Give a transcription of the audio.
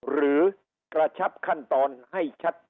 หรือกระชับขั้นตอนให้ชัด